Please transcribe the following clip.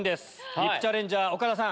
ＶＩＰチャレンジャー岡田さん。